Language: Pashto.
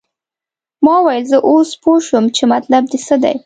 ما وویل زه اوس پوه شوم چې مطلب دې څه دی.